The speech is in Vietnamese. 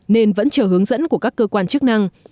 nên vẫn chờ hướng dẫn của các cơ quan chức năng